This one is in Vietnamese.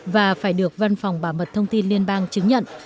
và phải được văn phòng bảo mật thông tin liên bang chứng nhận